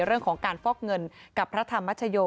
เรื่องของการฟอกเงินกับพระธรรมชโย